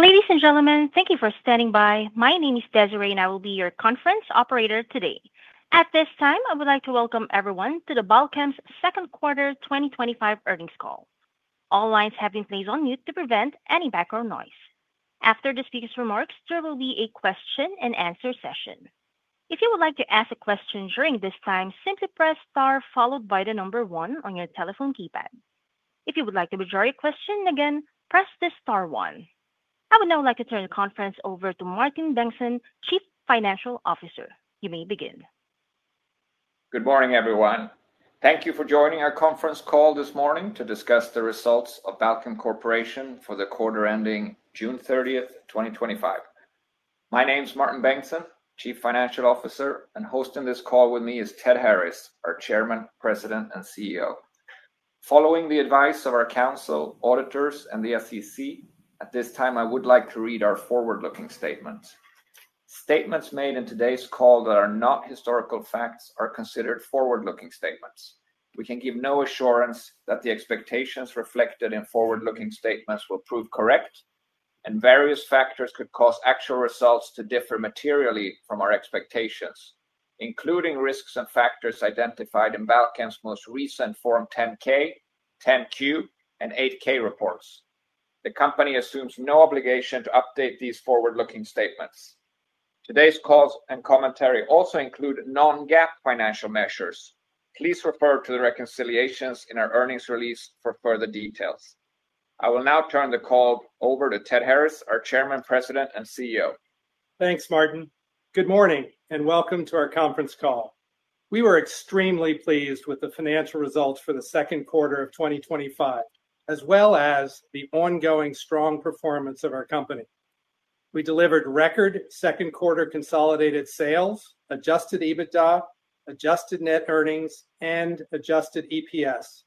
Ladies and gentlemen, thank you for standing by. My name is Desiree and I will be your conference operator today. At this time I would like to welcome everyone to the Balchem’s second quarter 2025 earnings call. All lines have been placed on mute to prevent any background noise. After the speaker’s remarks, there will be a question-and-answer session. If you would like to ask a question during this time, simply press star followed by the number one on your telephone keypad. If you would like to withdraw your question, again press star one. I would now like to turn the conference over to Martin Bengtsson, Chief Financial Officer. You may begin. Good morning everyone. Thank you for joining our conference call this morning to discuss the results of Balchem Corporation for the quarter ending June 30, 2025. My name is Martin Bengtsson, Chief Financial Officer, and hosting this call with me is Ted Harris, our Chairman, President and CEO. Following the advice of our counsel, auditors, and the SEC, at this time I would like to read our forward-looking statements. Statements made in today's call that are not historical facts are considered forward-looking statements. We can give no assurance that the expectations reflected in forward-looking statements will prove correct, and various factors could cause actual results to differ materially from our expectations, including risks and factors identified in Balchem's most recent Form 10-K, 10-Q, and 8-K reports. The company assumes no obligation to update these forward-looking statements. Today's call and commentary also include non-GAAP financial measures. Please refer to the reconciliations in our earnings release for further details. I will now turn the call over to Ted Harris, our Chairman, President and CEO. Thanks, Martin. Good morning and welcome to our conference call. We were extremely pleased with the financial results for the second quarter of 2025, as well as the ongoing strong performance of our company. We delivered record second quarter consolidated sales. Adjusted EBITDA, adjusted net earnings and adjusted EPS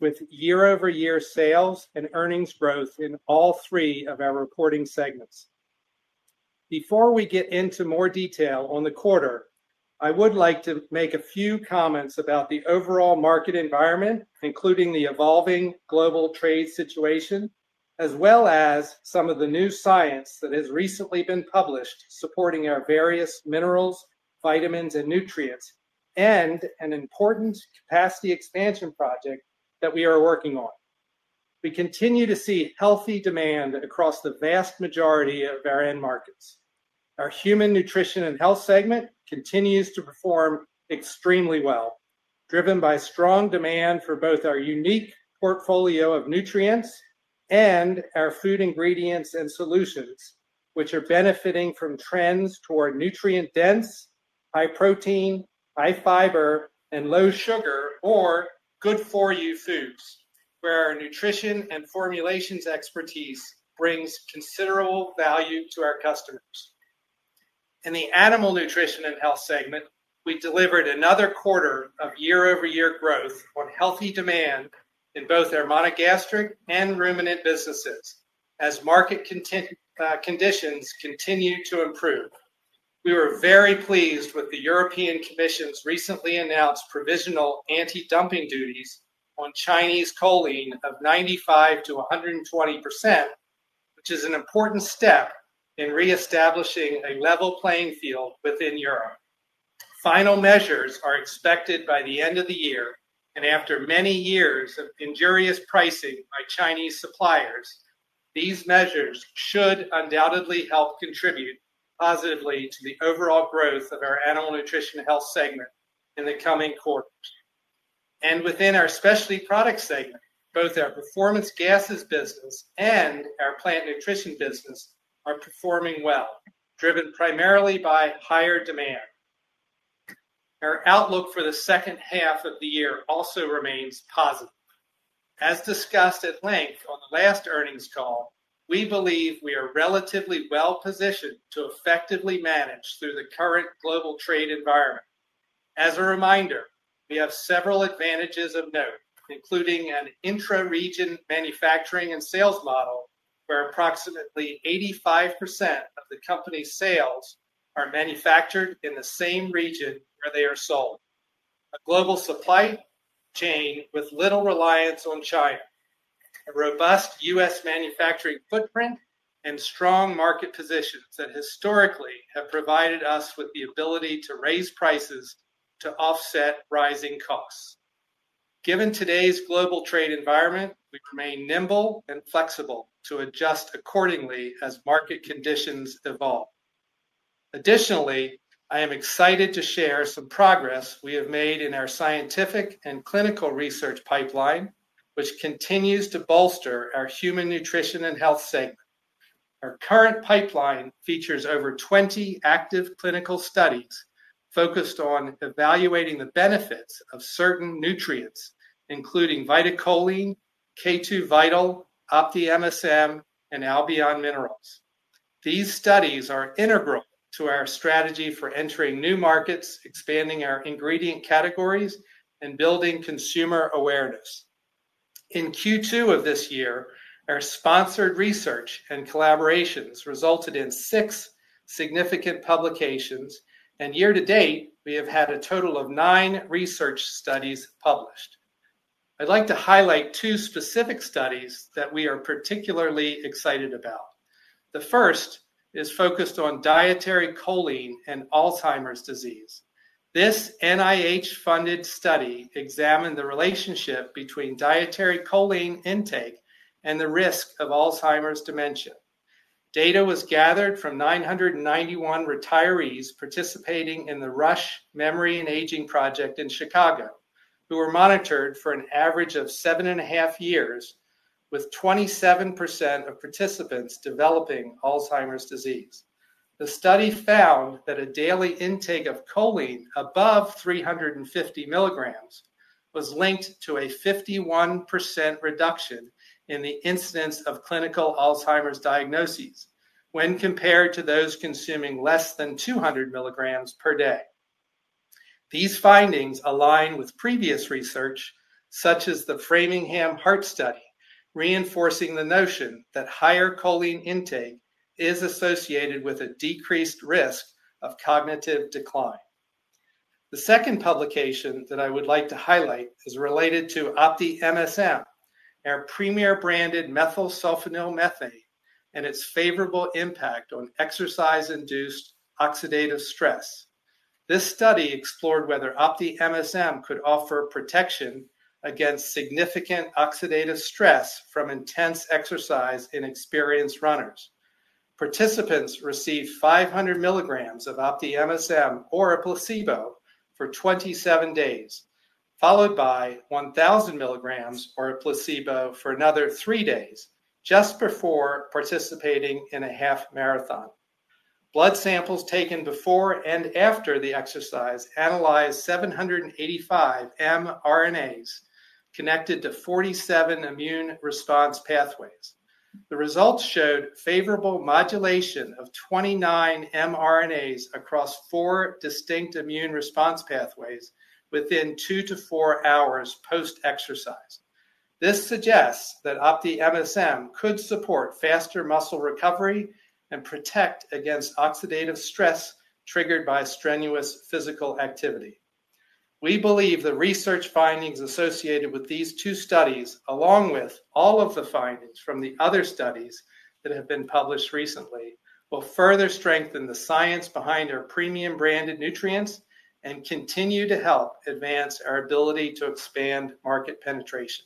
with year-over-year sales and earnings growth in all three of our reporting segments. Before we get into more detail on the quarter, I would like to make a few comments about the overall market environment, including the evolving global trade situation as well as some of the new science that has recently been published supporting our various minerals, vitamins and nutrients, and an important capacity expansion project that we are working on. We continue to see healthy demand across the vast majority of our end markets. Our Human Nutrition and Health segment continues to perform extremely well, driven by strong demand for both our unique portfolio of nutrients and our food ingredients and solutions, which are benefiting from trends toward nutrient-dense, high protein, high fiber and low sugar or good for you foods where our nutrition and formulations expertise brings considerable value to our customers. In the Animal Nutrition and Health segment, we delivered another quarter of year-over-year growth on healthy demand in both our monogastric and ruminant businesses as market conditions continue to improve. We were very pleased with the European Commission's recently announced provisional anti-dumping duties on Chinese choline of 95%-120%, which is an important step in reestablishing a level playing field within Europe. Final measures are expected by the end of the year, and after many years of injurious pricing by Chinese suppliers, these measures should undoubtedly help contribute positively to the overall growth of our Animal Nutrition and Health segment in the coming quarters. Within our Specialty Products segment, both our performance gases business and our plant nutrition business are performing well, driven primarily by higher demand. Our outlook for the second half of the year also remains positive. As discussed at length on the last earnings call, we believe we are relatively well-positioned to effectively manage through the current global trade environment. As a reminder, we have several advantages of note, including an intra-region manufacturing and sales model where approximately 85% of the company's sales are manufactured in the same region where they are sold, a global supply chain with little reliance on China, a robust U.S. manufacturing footprint and strong market positions that historically have provided us with the ability to raise prices to offset rising costs. Given today's global trade environment, we remain nimble and flexible to adjust accordingly as market conditions evolve. Additionally, I am excited to share some progress we have made in our scientific and clinical research pipeline, which continues to bolster our Human Nutrition and Health segment. Our current pipeline features over 20 active clinical studies focused on evaluating the benefits of certain nutrients, including VitaCholine, K2VITAL, OptiMSM, and Albion Minerals. These studies are integral to our strategy for entering new markets, expanding our ingredient categories, and building consumer awareness. In Q2 of this year, our sponsored research and collaborations resulted in six significant publications, and year to date we have had a total of nine research studies published. I'd like to highlight two specific studies that we are particularly excited about. The first is focused on dietary choline and Alzheimer's disease. This NIH funded study examined the relationship between dietary choline intake and the risk of Alzheimer's dementia. Data was gathered from 991 retirees participating in the Rush Memory and Aging Project in Chicago who were monitored for an average of seven and a half years, with 27% of participants developing Alzheimer's disease. The study found that a daily intake of choline above 350 mg was linked to a 51% reduction in the incidence of clinical Alzheimer's diagnoses when compared to those consuming less than 200 mg per day. These findings align with previous research such as the Framingham Heart Study, reinforcing the notion that higher choline intake is associated with a decreased risk of cognitive decline. The second publication that I would like to highlight is related to OptiMSM, our premier branded methylsulfonylmethane, and its favorable impact on exercise induced oxidative stress. This study explored whether OptiMSM could offer protection against significant oxidative stress from intense exercise in experienced runners. Participants received 500 mg of OptiMSM or a placebo for 27 days, followed by 1,000 mg or a placebo for another three days just before participating in a half-marathon. Blood samples taken before and after the exercise analyzed 785 mRNAs connected to 47 immune response pathways. The results showed favorable modulation of 29 mRNAs across four distinct immune response pathways within two to four hours post-exercise. This suggests that OptiMSM could support faster muscle recovery and protect against oxidative stress triggered by strenuous physical activity. We believe the research findings associated with these two studies, along with all of the findings from the other studies that have been published recently, will further strengthen the science behind our premium branded nutrients and continue to help advance our ability to expand market penetration.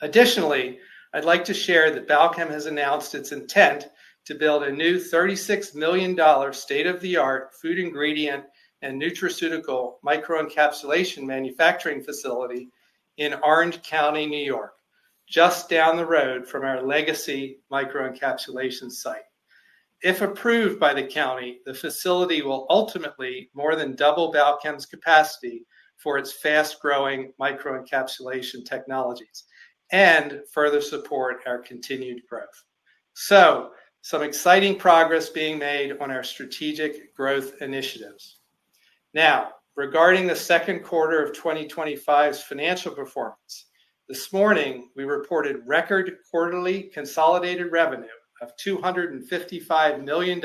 Additionally, I'd like to share that Balchem has announced its intent to build a new $36 million state-of-the-art food ingredient and nutraceutical microencapsulation manufacturing facility in Orange County, New York, just down the road from our legacy microencapsulation site. If approved by the county, the facility will ultimately more than double Balchem's capacity for its fast-growing microencapsulation technologies and further support our continued growth. There is some exciting progress being made on our strategic growth initiatives. Now regarding the second quarter of 2025's financial performance, this morning we reported record quarterly consolidated revenue of $255 million,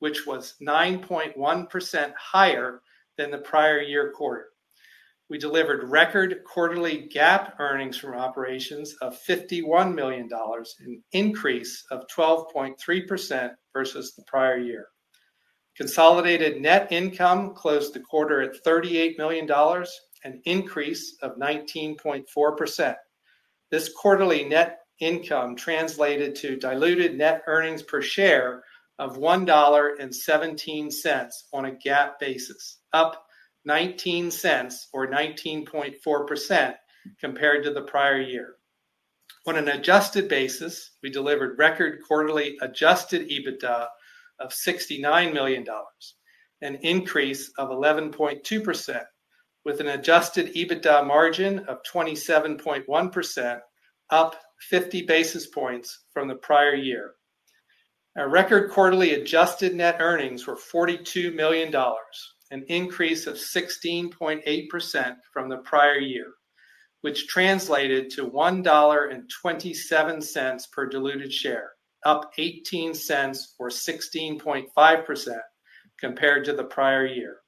which was 9.1% higher than the prior year. This quarter we delivered record quarterly GAAP earnings from operations of $51 million, an increase of 12.3% versus the prior year. Consolidated net income closed the quarter at $38 million, an increase of 19.4%. This quarterly net income translated to diluted net earnings per share of $1.17 on a GAAP basis, up $0.19 or 19.4% compared to the prior year. On an adjusted basis, we delivered record quarterly adjusted EBITDA of $69 million, an increase of 11.2% with an adjusted EBITDA margin of 27.1%, up 50 basis points from the prior year. Our record quarterly adjusted net earnings were $42 million, an increase of 16.8% from the prior year, which translated to $1.27 per diluted share, up $0.18 or 16.5% compared to the prior year.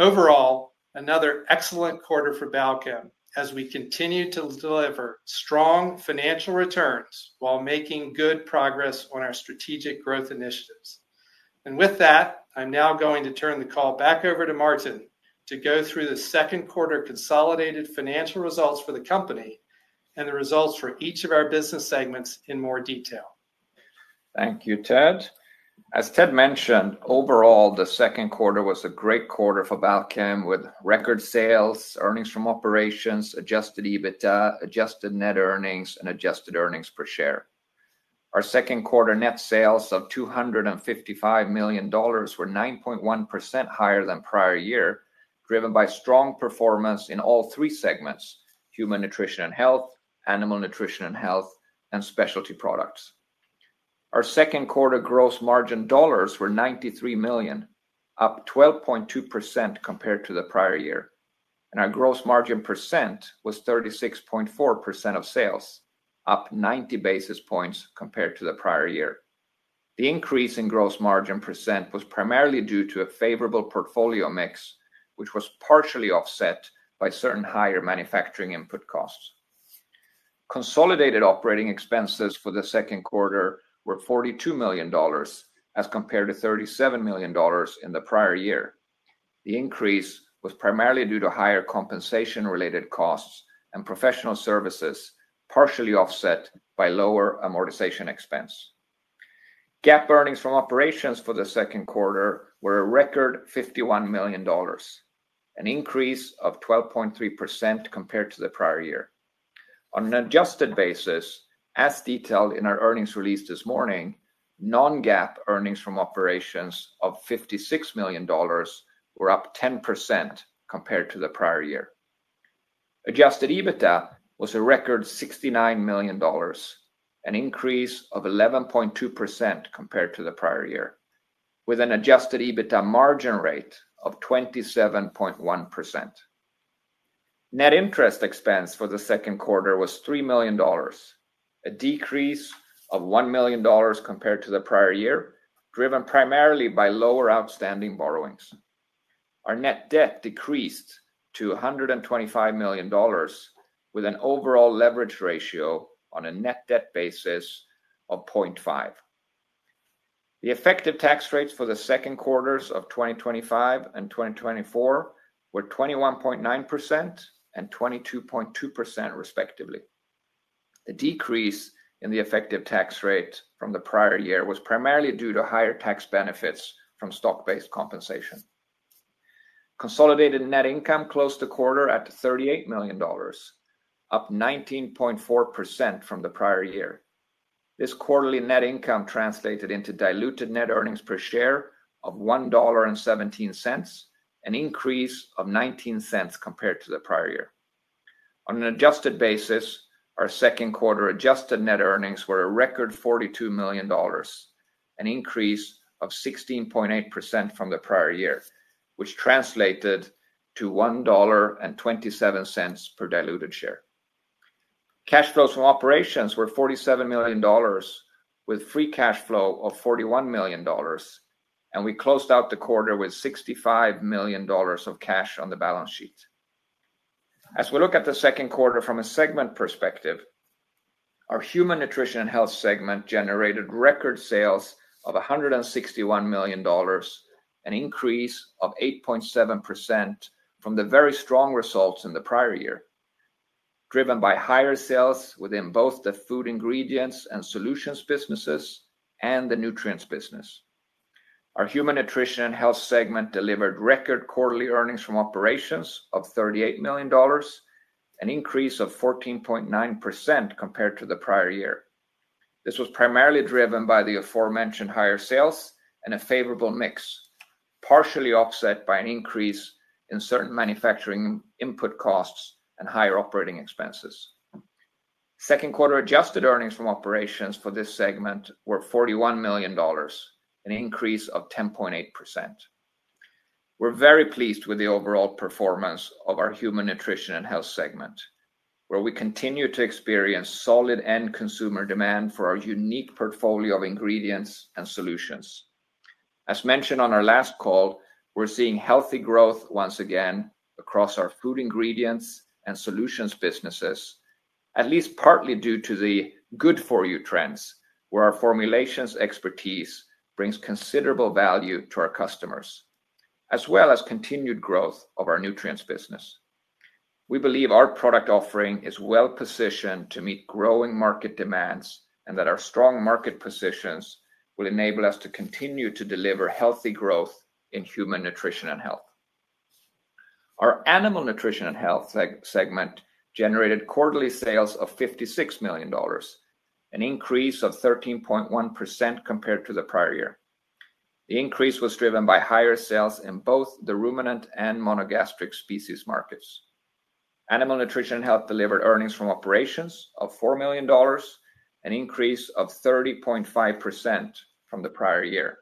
Overall, another excellent quarter for Balchem as we continue to deliver strong financial returns while making good progress on our strategic growth initiatives. With that, I'm now going to turn the call back over to Martin to go through the second quarter consolidated financial results for the company and the results for each of our business segments in more detail. Thank you, Ted. As Ted mentioned, overall the second quarter was a great quarter for Balchem with record sales, earnings from operations, adjusted EBITDA, adjusted net earnings, and adjusted earnings per share. Our second quarter net sales of $255 million were 9.1% higher than prior year, driven by strong performance in all three segments: Human Nutrition Health, Animal Nutrition Health, and Specialty Products. Our second quarter gross margin dollars were $93 million, up 12.2% compared to the prior year, and our gross margin percent was 36.4% of sales, up 90 basis points compared to the prior year. The increase in gross margin percent was primarily due to a favorable portfolio mix, which was partially offset by certain higher manufacturing input costs. Consolidated operating expenses for the second quarter were $42 million as compared to $37 million in the prior year. The increase was primarily due to higher compensation-related costs and professional services, partially offset by lower amortization expense. GAAP earnings from operations for the second quarter were a record $51 million, an increase of 12.3% compared to the prior year on an adjusted basis. As detailed in our earnings release this morning, non-GAAP earnings from operations of $56 million were up 10% compared to the prior year. Adjusted EBITDA was a record $69 million, an increase of 11.2% compared to the prior year, with an adjusted EBITDA margin rate of 27.1%. Net interest expense for the second quarter was $3 million, a decrease of $1 million compared to the prior year, driven primarily by lower outstanding borrowings. Our net debt decreased to $125 million with an overall leverage ratio on a net debt basis of 0.5. The effective tax rates for the second quarters of 2025 and 2024 were 21.9% and 22.2%, respectively. The decrease in the effective tax rate from the prior year was primarily due to higher tax benefits from stock-based compensation. Consolidated net income closed the quarter at $38 million, up 19.4% from the prior year. This quarterly net income translated into diluted net earnings per share of $1.17, an increase of $0.19 compared to the prior year. On an adjusted basis, our second quarter adjusted net earnings were a record $42 million, an increase of 16.8% from the prior year, which translated to $1.27 per diluted share. Cash flows from operations were $47 million with free cash flow of $41 million, and we closed out the quarter with $65 million of cash on the balance sheet. As we look at the second quarter from a segment perspective, our Human Nutrition and Health segment generated record sales of $161 million, an increase of 8.7% from the very strong results in the prior year driven by higher sales within both the food ingredients and solutions businesses and the nutrients business. Our Human Nutrition and Health segment delivered record quarterly earnings from operations of $38 million, an increase of 14.9% compared to the prior year. This was primarily driven by the aforementioned higher sales and a favorable mix, partially offset by an increase in certain manufacturing input costs and higher operating expenses. Second quarter adjusted earnings from operations for this segment were $41 million, an increase of 10.8%. We're very pleased with the overall performance of our Human Nutrition and Health segment where we continue to experience solid end consumer demand for our unique portfolio of ingredients and solutions. As mentioned on our last call, we're seeing healthy growth once again across our food ingredients and solutions businesses, at least partly due to the good for you trends where our formulations expertise brings considerable value to our customers as well as continued growth of our nutrients business. We believe our product offering is well-positioned to meet growing market demands and that our strong market positions will enable us to continue to deliver healthy growth. Our Animal Nutrition and Health segment generated quarterly sales of $56 million, an increase of 13.1% compared to the prior year. The increase was driven by higher sales in both the ruminant and monogastric species markets. Animal Nutrition and Health delivered earnings from operations of $4 million, an increase of 30.5% from the prior year.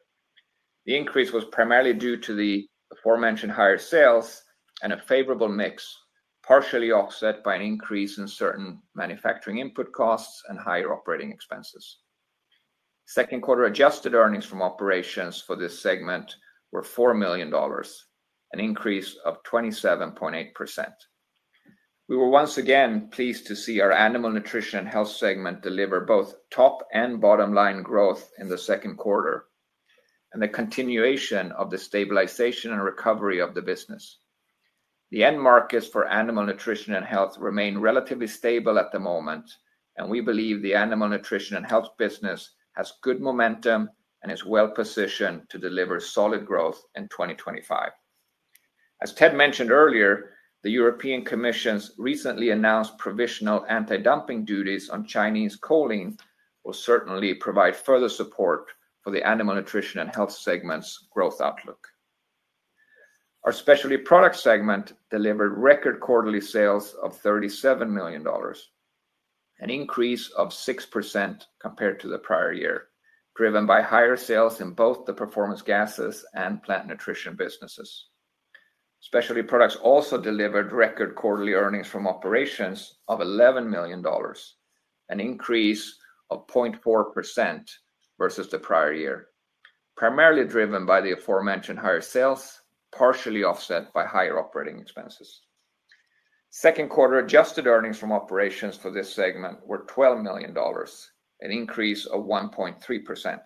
The increase was primarily due to the aforementioned higher sales and a favorable mix, partially offset by an increase in certain manufacturing input costs and higher operating expenses. Second quarter adjusted earnings from operations for this segment were $4 million, an increase of 27.8%. We were once again pleased to see our Animal Nutrition and Health segment deliver both top and bottom line growth in the second quarter and the continuation of the stabilization and recovery of the business. The end markets for animal nutrition and health remain relatively stable at the moment, and we believe the animal nutrition and health business has good momentum and is well-positioned to deliver solid growth in 2025. As Ted mentioned earlier, the European Commission's recently announced provisional anti-dumping duties on Chinese choline will certainly provide further support for the animal nutrition and health segment's growth outlook. Our Specialty Product segment delivered record quarterly sales of $37 million, an increase of 6% compared to the prior year, driven by higher sales in both the performance gases and plant nutrition businesses. Specialty products also delivered record quarterly earnings from operations of $11 million, an increase of 0.4% versus the prior year, primarily driven by the aforementioned higher sales, partially offset by higher operating expenses. Second quarter adjusted earnings from operations for this segment were $12 million, an increase of 1.3%.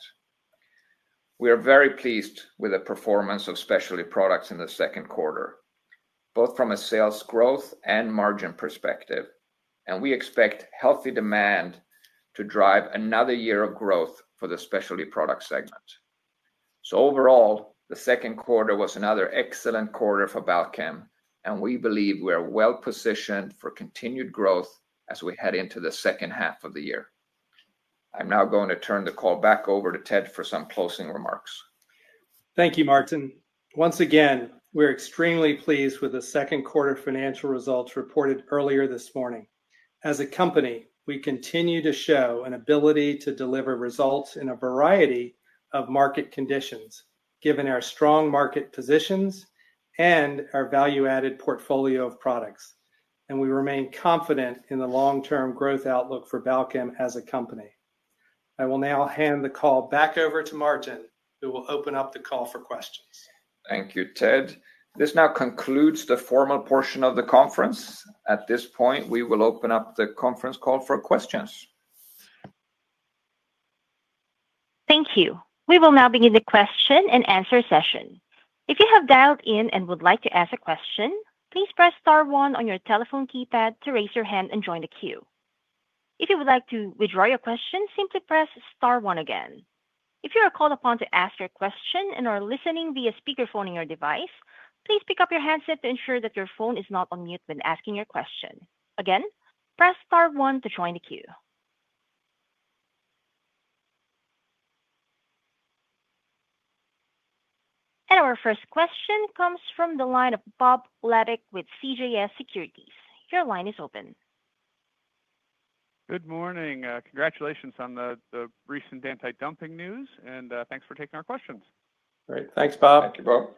We are very pleased with the performance of specialty products in the second quarter, both from a sales growth and margin perspective, and we expect healthy demand to drive another year of growth for the specialty products segment. Overall, the second quarter was another excellent quarter for Balchem, and we believe we are well-positioned for continued growth as we head into the second half of the year. I'm now going to turn the call back over to Ted for some closing remarks. Thank you, Martin. Once again, we're extremely pleased with the. Second quarter financial results reported earlier this morning. As a company, we continue to show. An ability to deliver results in a variety of market conditions given our strong market positions and our value-added portfolio of products, and we remain confident in the long-term growth outlook for Balchem as a company. I will now hand the call back over to Martin who will open up the call for questions. Thank you, Ted. This now concludes the formal portion of the conference. At this point, we will open up the conference call for questions. Thank you. We will now begin the question-and-answer session. If you have dialed in and would like to ask a question, please press star one on your telephone keypad to raise your hand and join the queue. If you would like to withdraw your question, simply press star one again. If you are called upon to ask your question and are listening via speakerphone on your device, please pick up your handset to ensure that your phone is not on mute when asking your question. Again, press star one to join the queue. Our first question comes from the line of Bob Labick with CJS Securities. Your line is open. Good morning. Congratulations on the recent anti-dumping news, and thanks for taking our questions. Great, thanks Bob. Thank you, Bob.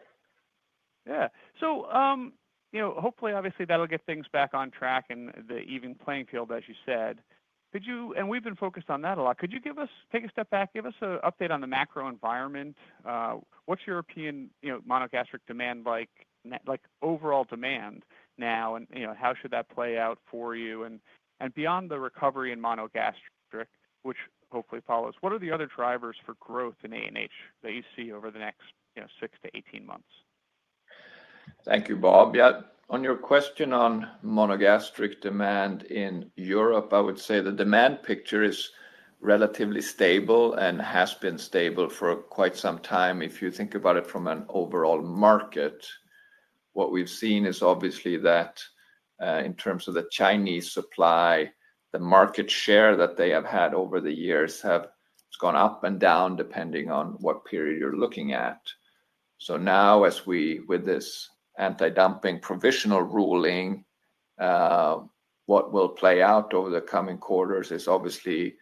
Yeah, you know, hopefully obviously that'll get things back on track in the even playing field, as you said. Could you, and we've been focused on that a lot, could you give us, take a step back, give us an update on the macro environment? What's European monogastric demand like, overall demand now, and how should that play out for you? Beyond the recovery in monogastric, which hopefully follows, what are the other drivers for growth in ANH that you see over the next six to 18 months? Thank you, Bob. On your question on monogastric demand in Europe, I would say the demand picture is relatively stable and has been stable for quite some time. If you think about it from an overall market, what we've seen is obviously that in terms of the Chinese supply, the market share that they have had over the years has gone up and down depending on what period you're looking at. Now, as we, with this anti-dumping provisional ruling, what will play out over the coming quarters is obviously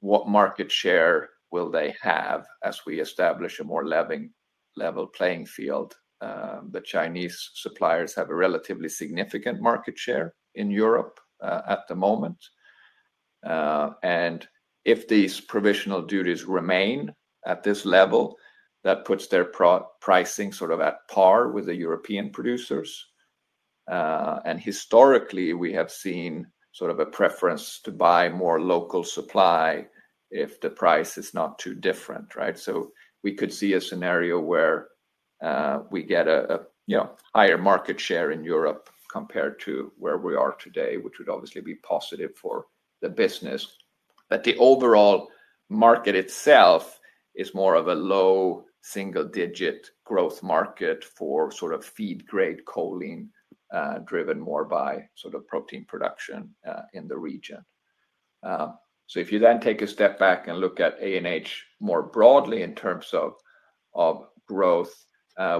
what market share will they have as we establish a more level playing field. The Chinese suppliers have a relatively significant market share in Europe at the moment. If these provisional duties remain at this level, that puts their pricing sort of at par with the European producers. Historically, we have seen sort of a preference to buy more local supply if the price is not too different. We could see a scenario where we get a higher market share in Europe compared to where we are today, which would obviously be positive for the business. The overall market itself is more of a lower single-digit growth market for sort of feed grade choline, driven more by sort of protein production in the region. If you then take a step back and look at ANH more broadly in terms of growth,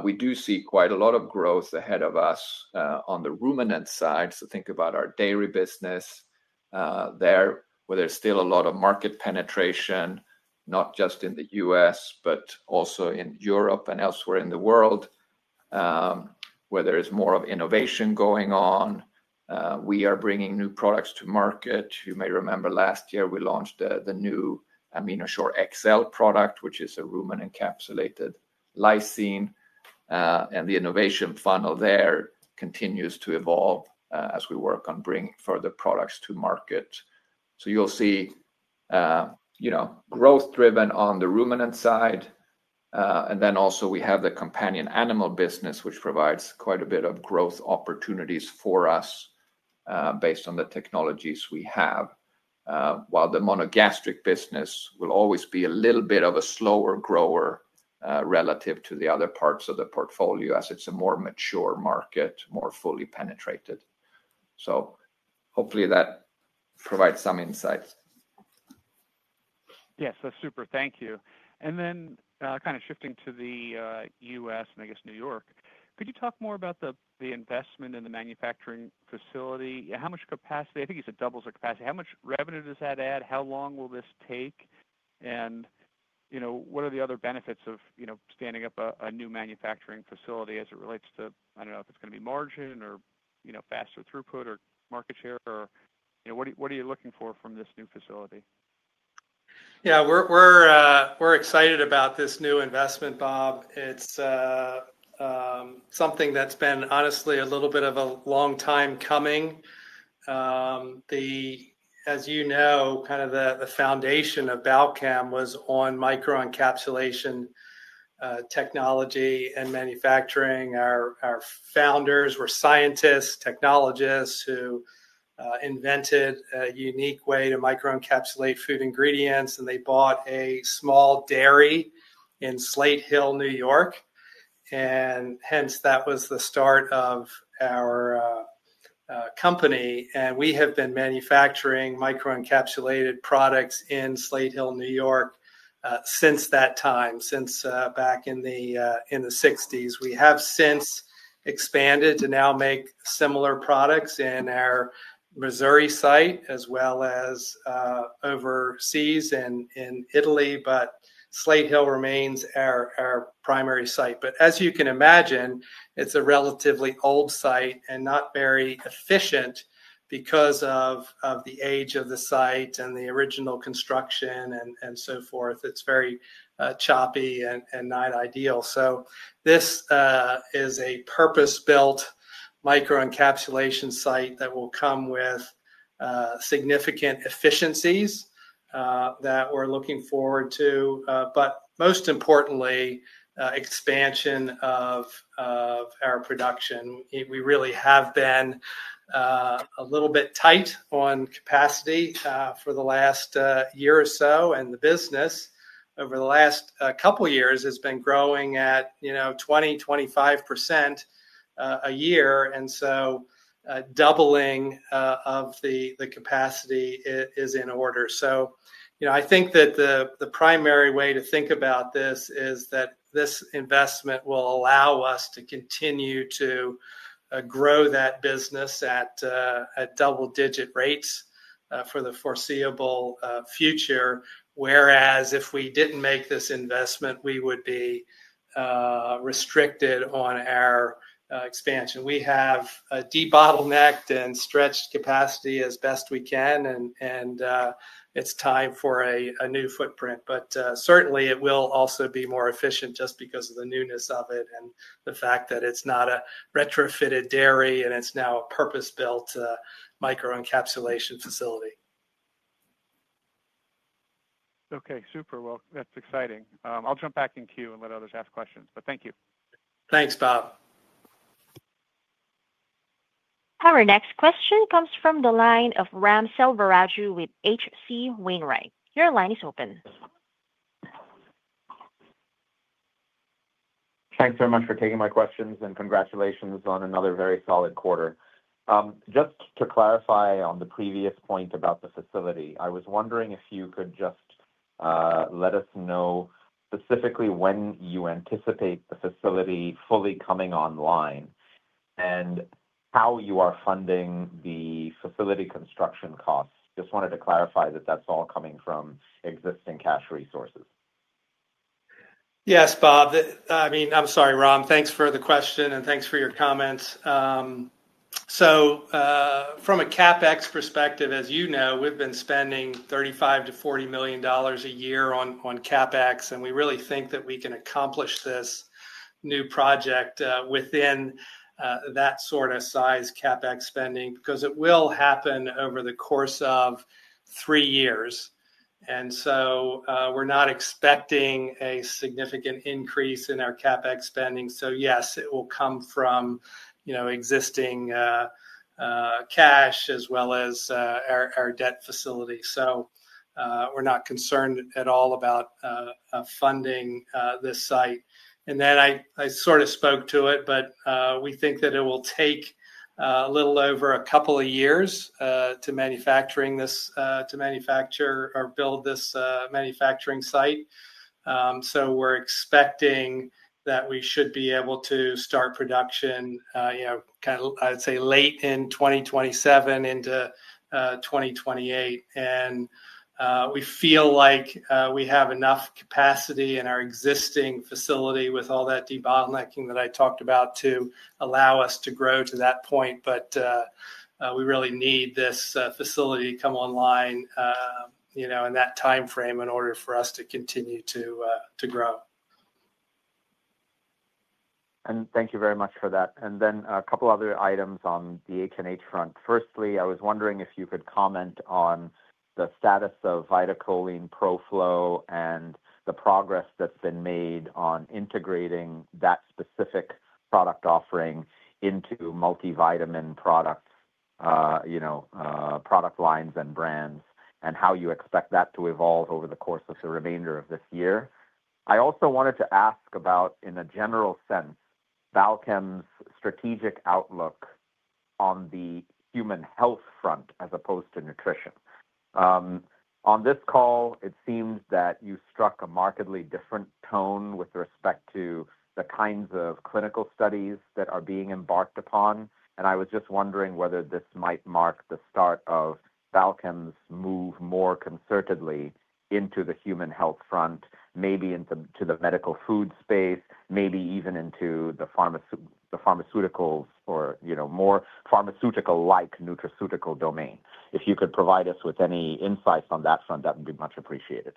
we do see quite a lot of growth ahead of us on the ruminant side. Think about our dairy business there, where there's still a lot of market penetration, not just in the U.S. but also in Europe and elsewhere in the world where there is more innovation going on. We are bringing new products to market. You may remember last year we launched the new AminoShure-XL product, which is a rumen-encapsulated lysine. The innovation funnel there continues to evolve as we work on bringing further products to market. You'll see growth driven on the ruminant side. We also have the companion animal business, which provides quite a bit of growth opportunities for us based on the technologies we have. While the monogastric business will always be a little bit of a slower grower relative to the other parts of the portfolio, as it's a more mature market, more fully penetrated. Hopefully that provides some insights. Yes, that's super, thank you. Kind of shifting to the U.S. and I guess New York, could you talk more about the investment in the manufacturing facility? How much capacity? I think it doubles the capacity. How much revenue does that add? How long will this take and what are the other benefits of standing up a new manufacturing facility as it relates to, I don't know if it's going to be margin or, you know, faster throughput or market share or, you know, what are you looking for from this new facility? Yeah, we're excited about this new investment, Bob. It's something that's been honestly a little bit of a long time coming. As you know, kind of the foundation of Balchem was on microencapsulation technology and manufacturing. Our founders were scientists, technologists who invented a unique way to microencapsulate food ingredients and they bought a small dairy in Slate Hill, New York, and hence that was the start of our company. We have been manufacturing microencapsulated products in Slate Hill, New York since that time, since back in the 1960s. We have since expanded to now make similar products in our Missouri site as well as overseas and in Italy. Slate Hill remains our primary site. As you can imagine, it's a relatively old site and not very efficient because of the age of the site and the original construction and so forth. It's very choppy and not ideal. This is a purpose-built microencapsulation site that will come with significant efficiencies that we're looking forward to, but most importantly, expansion of our production. We really have been a little bit tight on capacity for the last year or so and the business over the last couple years has been growing at, you know, 20%, 25% a year and doubling of the capacity is in order. I think that the primary way to think about this is that this investment will allow us to continue to grow that business at double-digit rates for the foreseeable future. If we didn't make this investment, we would be restricted on our expansion. We have debottlenecked and stretched capacity as best we can and it's time for a new footprint, but certainly it will also be more efficient just because. Of the newness of it. Fact that it's not a retrofitted dairy, and it's now a purpose-built microencapsulation facility. Okay, super. That's exciting. I'll jump back in queue and let others ask questions, but thank you. Thanks, Bob. Our next question comes from the line of Ram Selvaraju with H.C. Wainwright. Your line is open. Thanks very much for taking my questions and congratulations on another very solid quarter. Just to clarify on the previous point about the facility, I was wondering if you could just let us know specifically when you anticipate the facility fully coming online and how you are funding the facility construction costs. Just wanted to clarify that that's all coming from existing cash resources. Yes, Bob, I mean, I'm sorry Ram, thanks for the question and thanks for your comments. From a CapEx perspective, as you know, we've been spending $35-$40 million a year on CapEx, and we really think that we can accomplish this new project within that sort of size CapEx spending because it will happen over the course of three years. We're not expecting a significant increase in our CapEx spending. Yes, it will come from, you know, existing cash as well as our debt facility. We're not concerned at all about funding this site. I sort of spoke to it, but we think that it will take a little over a couple of years to manufacture or build this manufacturing site. We're expecting that we should be able to start production, you know, kind of, I'd say late in 2027 into 2028. We feel like we have enough capacity in our existing facility with all that debottlenecking that I talked about to allow us to grow to that point. We really need this facility to come online in that time frame in order for us to continue to grow. Thank you very much for that. A couple other items on the HNH front. Firstly, I was wondering if you could comment on the status of VitaCholine Pro-Flo and the progress that's been made on integrating that specific product offering into multivitamin products, product lines, and brands, and how you expect that to evolve over the course of the remainder of this year. I also wanted to ask about, in a general sense, Balchem's strategic outlook on the human health front as opposed to nutrition. On this call, it seems that you struck a markedly different tone with respect to the kinds of clinical studies that are being embarked upon. I was just wondering whether this might mark the steps of Balchem's move more concertedly into the human health front, maybe into the medical food space, maybe even into the pharmaceuticals or more pharmaceutical-like nutraceutical domain. If you could provide us with any insights on that front, that would be much appreciated.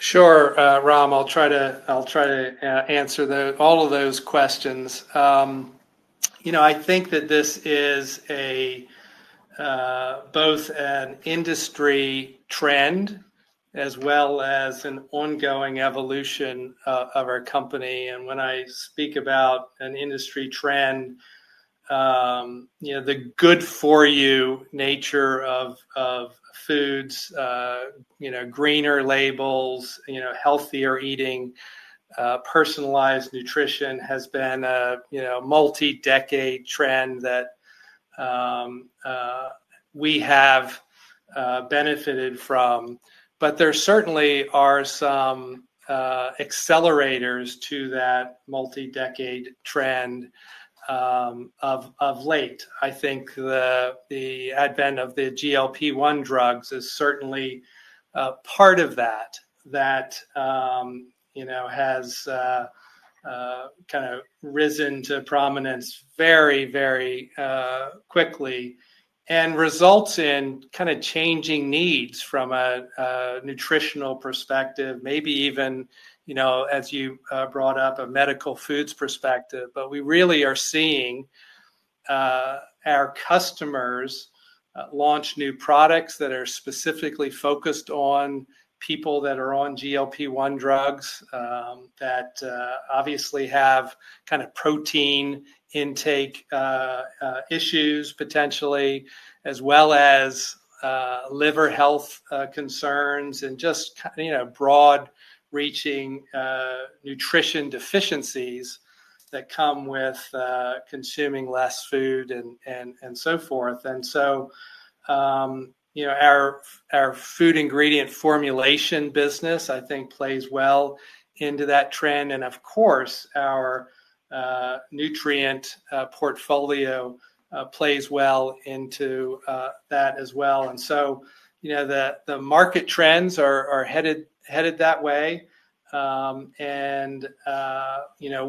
Sure Ram, I'll try to answer all of those questions. I think that this is both an industry trend as well as an ongoing evolution of our company. When I speak about an industry trend, the good-for-you nature of foods, greener labels, healthier eating, personalized nutrition has been a multi decade trend that we have benefited from. There certainly are some accelerators to that multi-decade trend of late. I think the advent of the GLP-1 drugs is certainly part of that, that has kind of risen to prominence very, very quickly and results in kind of changing needs from a nutritional perspective, maybe even, as you brought up, a medical foods perspective. We really are seeing our customers launch new products that are specifically focused on people that are on GLP-1 drugs that obviously have kind of protein intake issues potentially as well as liver health concerns and just broad-reaching nutrition deficiencies that come with consuming less food and so forth. Our food ingredient formulation business I think plays well into that trend and of course our nutrient portfolio plays well into that as well. The market trends are headed that way and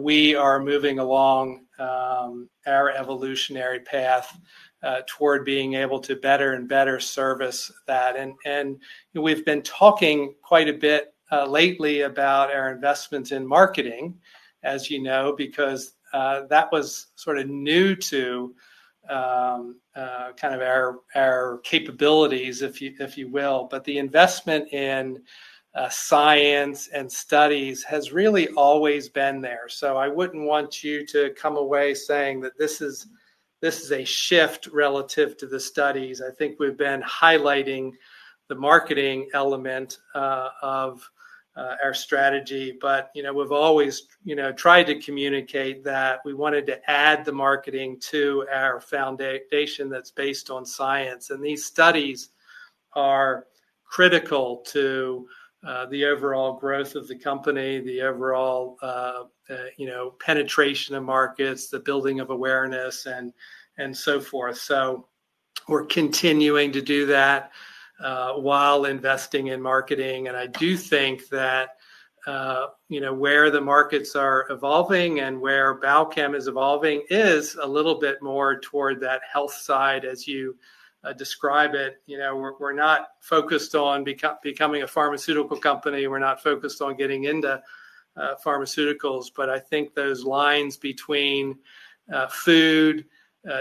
we are moving along our evolutionary path toward being able to better and better service that. We've been talking quite a bit lately about our investments in marketing, as you know, because that was sort of new to kind of our capabilities, if you will. The investment in science and studies has really always been there. I wouldn't want you to come away saying that this is, this is a shift relative to the clinical studies. I think we've been highlighting the marketing element of our strategy. We've always tried to communicate that we wanted to add the marketing to our foundation that's based on science. These studies are critical to the overall growth of the company, the overall penetration of markets, the building of awareness and so forth. We're continuing to do that while investing in marketing. I do think that where the markets are evolving and where Balchem is evolving is a little bit more toward that health side as you describe it. We're not focused on becoming a pharmaceutical company. We're not focused on getting into pharmaceuticals, but I think those lines between food,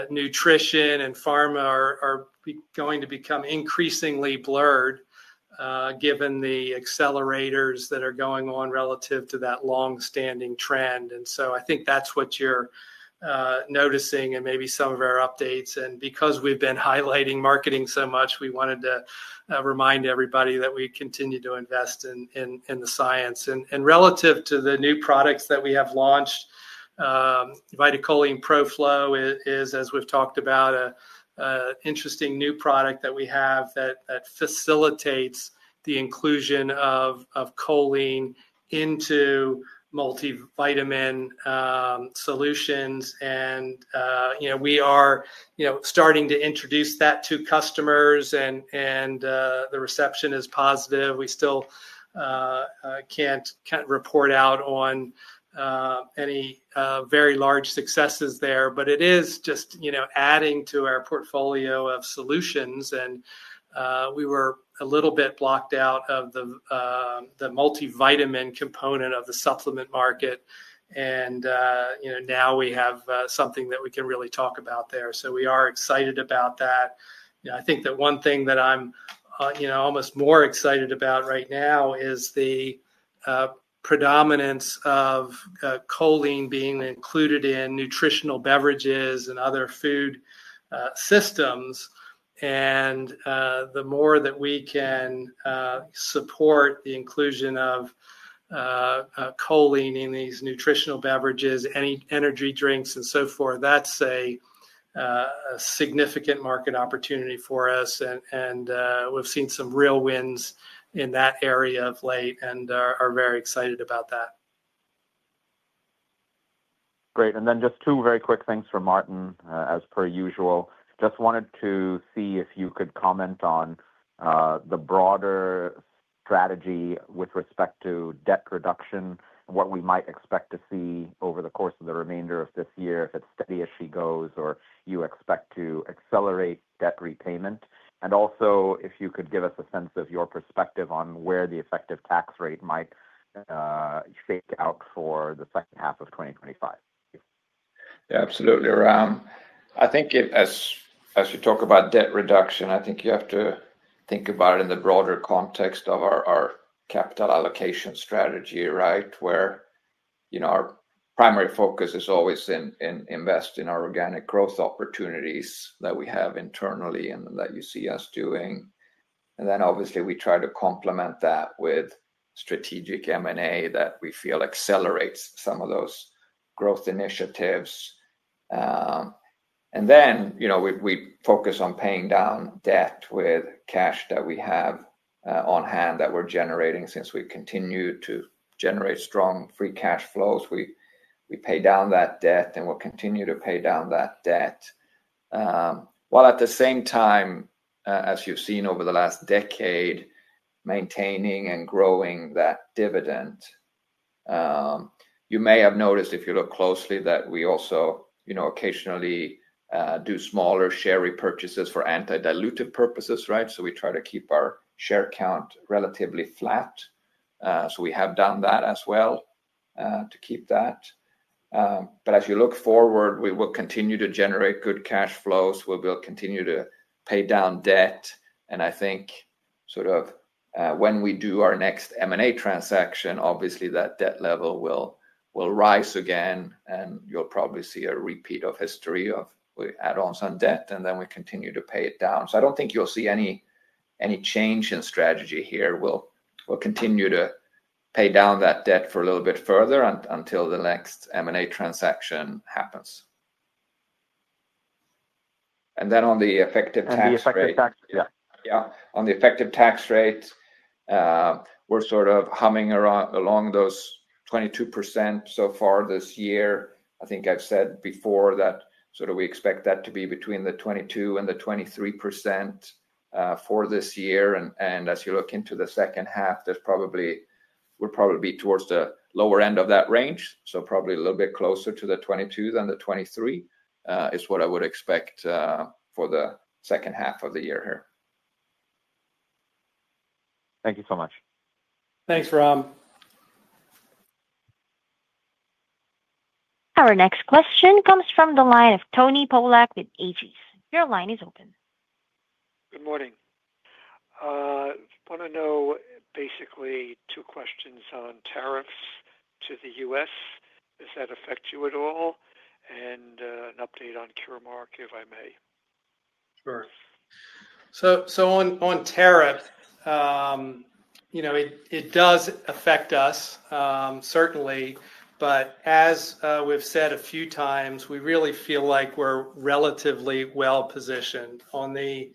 nutrition and pharma are going to become increasingly blurred given the accelerators that are going on relative to that long-standing trend. I think that's what you're noticing and maybe some of our updates, and because we've been highlighting marketing so much, we wanted to remind everybody that we continue to invest in the science. Relative to the new products that we have launched, VitaCholine Pro-Flo is, as we've talked about, an interesting new product that we have that facilitates the inclusion of choline into multivitamin solutions. We are starting to introduce that to customers and the reception is positive. I can't report out on any very large successes there, but it is just adding to our portfolio of solutions. We were a little bit blocked out of the multivitamin component of the supplement market, and now we have something that we can really talk about there. We are excited about that. I think that one thing that I'm almost more excited about right now is the predominance of choline being included in nutritional beverages and other food systems. The more that we can support the inclusion of choline in these nutritional beverages, any energy drinks and so forth, that's a significant market opportunity for us and we've seen some real wins in that area of late and are very excited about that. Great. Just two very quick things for Martin, as per usual. I just wanted to see if you could comment on the broader strategy with respect to debt reduction, what we might expect to see over the course of the remainder of this year if the issue goes or you expect to accelerate debt repayment. Also, if you could give us a sense of your perspective on where the effective tax rate might shake out for the second half of 2025. Yeah, absolutely. Ram, I think as you talk about debt reduction, you have to think about it in the broader context of our capital allocation strategy. Right. Where our primary focus is always to invest in our organic growth opportunities that we have internally and that you see us doing. Obviously, we try to complement that with strategic M&A that we feel accelerates some of those growth initiatives. We focus on paying down debt with cash that we have on hand that we're generating. Since we continue to generate strong free cash flows, we pay down that debt and we'll continue to pay down that debt while at the same time, as you've seen over the last decade, maintaining and growing that dividend. You may have noticed if you look closely that we also occasionally do smaller share repurchases for anti-dilutive purposes. We try to keep our share count relatively flat. We have done that as well to keep that. As you look forward, we will continue to generate good cash flows, we will continue to pay down debt and I think when we do our next M&A transaction, obviously that debt level will rise again and you'll probably see a repeat of history of add-ons on debt and then we continue to pay it down. I don't think you'll see any change in strategy here. We'll continue to pay down that debt for a little bit further until the next M&A transaction happens. On the effective tax rate, we're sort of humming along those 22% so far this year. I think I've said before that we expect that to be between the 22% and the 23% for this year. As you look into the second half, we'll probably be towards the lower end of that range, so probably a little bit closer to the 22% than the 23% is what I would expect for the second half of the year here. Thank you so much. Thanks Rob. Our next question comes from the line of Tony Polak with Aegis. Your line is open. Good morning. Want to know basically two questions on tariffs to the U.S. Does that affect you at all? An update on CureMark, if I may. Sure. On tariffs, it does affect us certainly, but as we've said a few times, we really feel like we're relatively well-positioned. On the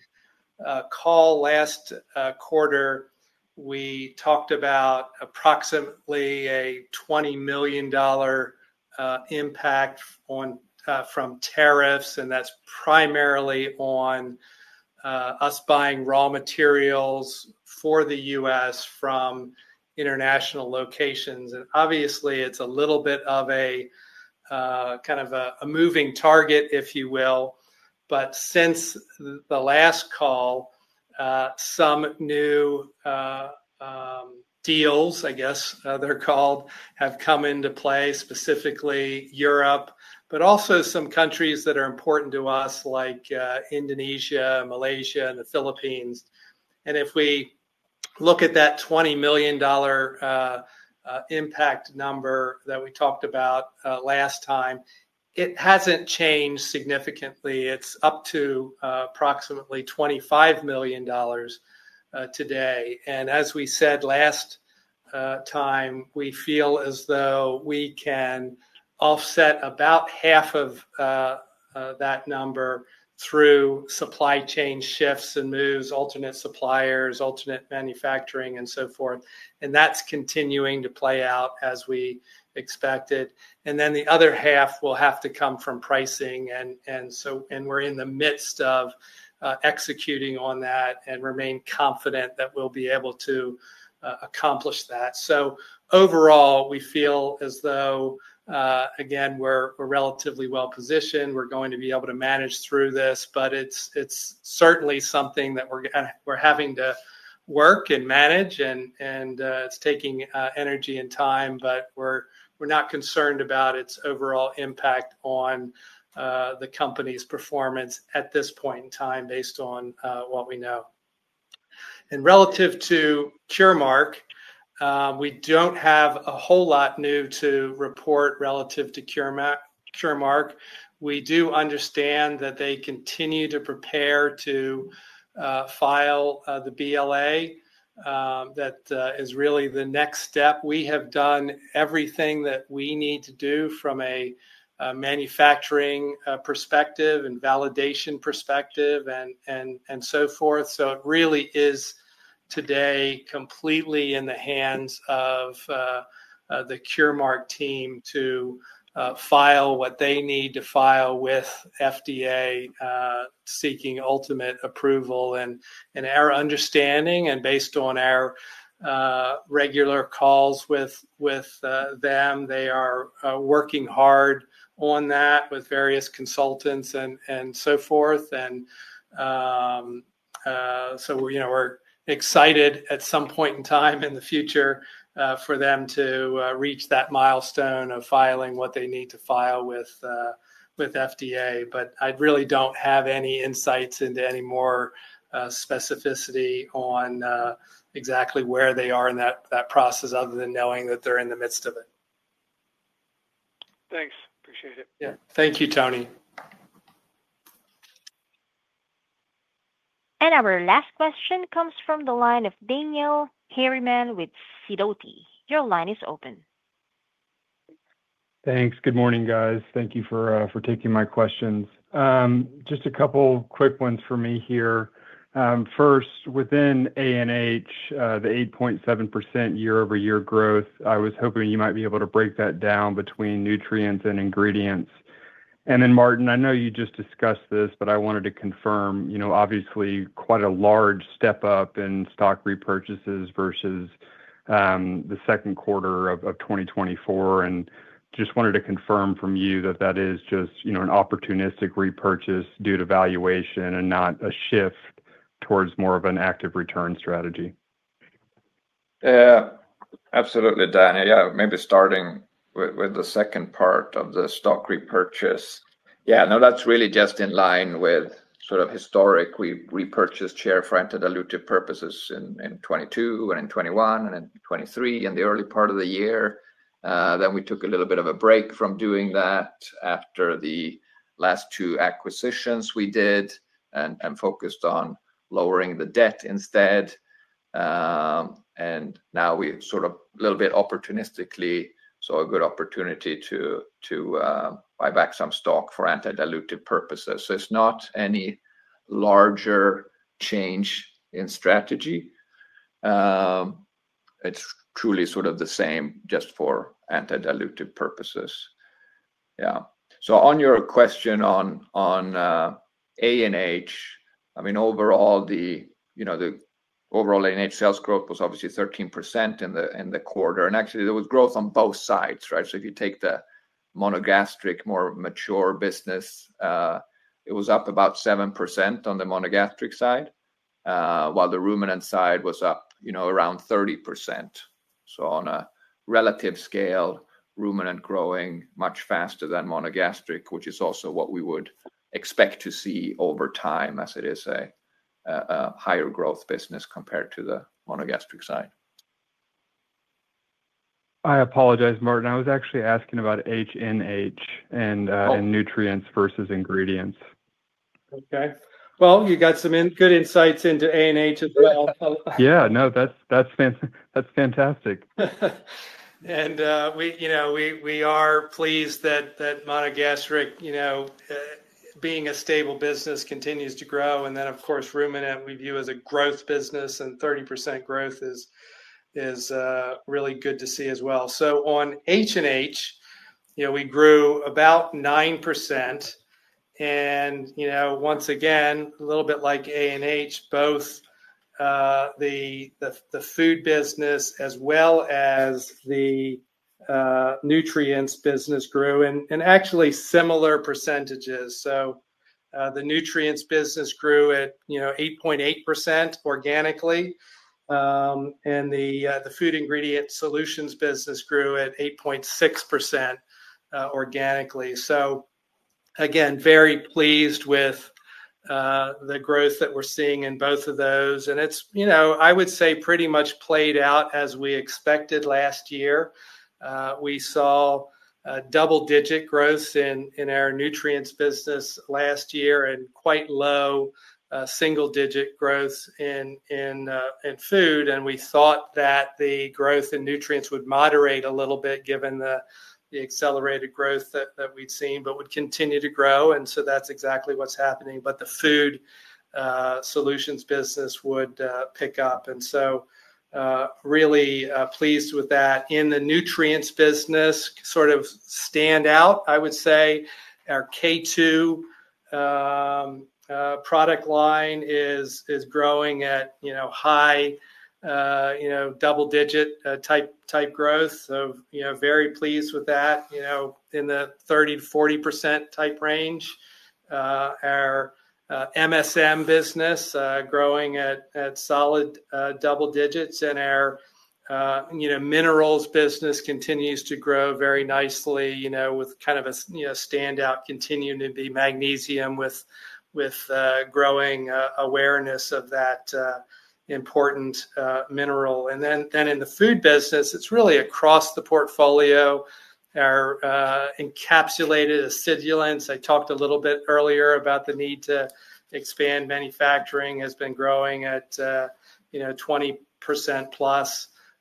call last quarter, we talked about approximately a $20 million impact from tariffs, and that's primarily on us buying raw materials for the U.S. from international locations. Obviously, it's a little bit of a moving target, if you will. Since the last call, some new deals, I guess they're called, have come into play, specifically Europe, but also some countries that are important to us like Indonesia, Malaysia, and the Philippines. If we look at that $20 million impact number that we talked about last time, it hasn't changed significantly. It's up to approximately $25 million today. As we said last time, we feel as though we can offset about half of that number through supply chain shifts and moves, alternate suppliers, alternate manufacturing, and so forth. That's continuing to play out as we expected, and the other half will have to come from pricing. We're in the midst of executing on that and remain confident that we'll be able to accomplish that. Overall, we feel as though, again, we're relatively well-positioned, we're going to be able to manage through this. It's certainly something that we're having to work and manage, and it's taking energy and time, but we're not concerned about its overall impact on the company's performance at this point in time, based on what we know. Relative to CureMark, we don't have a whole lot new to report relative to CureMark. We do understand that they continue to prepare to file the BLA. That is really the next step. We have done everything that we need to do from a manufacturing perspective and validation perspective and so forth. It really is today completely in the hands of the CureMark team to file what they need to file with the FDA, seeking ultimate approval and our understanding. Based on our regular calls with them, they are working hard on that with various consultants and so forth. We're excited at some point in time in the future for them to reach that milestone of filing what they need to file with the FDA. I really don't have any insights into any more specificity on exactly where they are in that process other than knowing that they're in the midst of it. Thanks. Appreciate it. Thank you, Tony. Our last question comes from the line of Daniel Harriman with Sidoti. Your line is open. Thanks. Good morning, guys. Thank you for taking my questions. Just a couple quick ones for me here. First, within ANH, the 8.7% year-over-year growth. I was hoping you might be able to break that down between nutrients and ingredients. Martin, I know you just discussed this, but I wanted to confirm, you know, obviously quite a large step up in stock repurchases versus the second quarter of 2024. I just wanted to confirm from you that that is just, you know, an opportunistic repurchase due to valuation and not a shift towards more of an active return strategy. Yeah, absolutely, Daniel. Maybe starting with the second part of the stock repurchase. Yeah, no, that's really just in line with sort of historic. We repurchased share for anti-dilutive purposes in 2022 and in 2021 and in 2023, in the early part of the year. We took a little bit of a break from doing that after the last two acquisitions we did and focused on lowering the debt instead. Now we sort of a little bit opportunistically saw a good opportunity to buy back some stock for anti-dilutive purposes. It's not any larger change in strategy. It's truly sort of the same, just for anti-dilutive purposes. Yeah, on your question on ANH, I mean overall, the, you know, the overall ANH sales growth was obviously 13% in the quarter. Actually there was growth on both sides. If you take the monogastric, more mature business, it was up about 7% on the monogastric side, while the ruminant side was up, you know, around 30%. On a relative scale, ruminant growing much faster than monogastric, which is also what we would expect to see over time as it is a higher growth business compared to the monogastric side. I apologize, Martin. I was actually asking about HNH and nutrients versus ingredients. Okay, you got some good insights into ANH as well. Yeah, that's fantastic. That's fantastic. We are pleased that monogastric, being a stable business, continues to grow. Of course, ruminant we view as a growth business, and 30% growth is really good to see as well. On HNH, we grew about 9%, and once again a little bit like ANH, both. The food business. As well as the nutrients business grew. Actually, similar percentages. The nutrients business grew at 8.8% organically and the Food Ingredient Solutions business grew at 8.6% organically. We are very pleased with the growth that we're seeing in both of those. I would say pretty much played out as we expected last year. We saw double-digit growth in our nutrients business last year and quite low single-digit growth in food. We thought that the growth in nutrients would moderate a little bit given the accelerated growth that we'd seen. We would continue to grow. That's exactly what's happening. The food solutions business would pick up, and really pleased with that. In the nutrients business, sort of stand out. I would say our K2 product line is growing at high double-digit type growth, so very pleased with that, in the 30%-40% type range. Our MSM business growing at solid double digits, and our minerals business continues to grow very nicely, with kind of a standout continuing to be magnesium, with growing awareness of that important mineral. In the food business, it's really across the portfolio. Our encapsulated acidulants, I talked a little bit earlier about the need to expand, manufacturing has been growing at 20%+,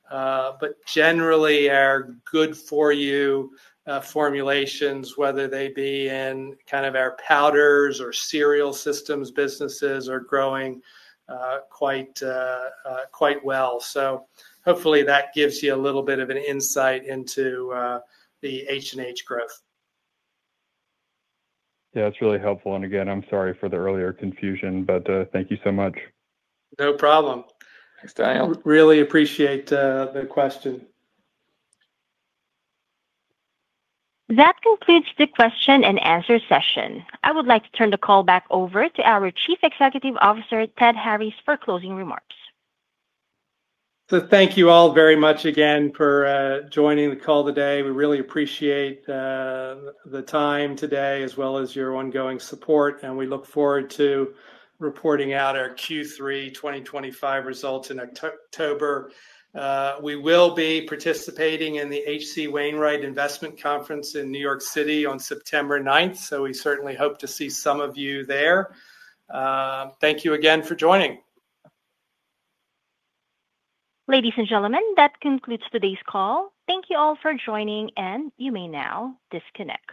but generally our good-for-you formulations, whether they be in kind of our powders or cereal systems businesses, are growing quite well. Hopefully, that gives you a little bit of an insight into the HNH growth. Yeah, it's really helpful. I'm sorry for the earlier confusion, but thank you so much. No problem. Really appreciate the question. That concludes the question and answer session. I would like to turn the call back over to our Chief Executive Officer, Ted Harris, for closing remarks. Thank you all very much again for joining the call today. We really appreciate the time today as well as your ongoing support, and we look forward to reporting out our Q3 2025 results in October. We will be participating in the H.C. Wainwright Investment Conference in New York on September 9th, so we certainly hope to see some of you there. Thank you again for joining. Ladies and gentlemen, that concludes today's call. Thank you all for joining, and you may now disconnect.